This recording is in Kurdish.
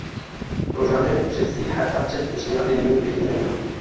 Rojane ji sî heta çil pêşniyazên nû digihine min.